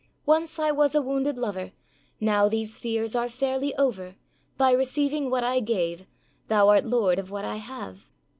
âOnce I was a wounded lover, Now these fears are fairly over; By receiving what I gave, Thou art lord of what I have.